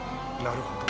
なるほど。